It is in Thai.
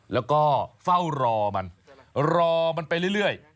แล้วก็เฝ้ารอมันรอมันไปเรื่อย